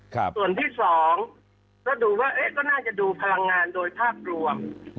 ส่วนที่สองก็ดูว่าก็น่าจะดูพลังงานโดยภาพรวม